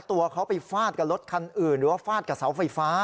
ตัวเขาไปฟาดกับรถคันอื่นหรือว่าฟาดกับเสาไฟฟ้า